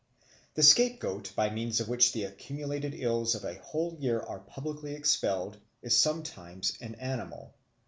The scapegoat by means of which the accumulated ills of a whole year are publicly expelled is sometimes an animal.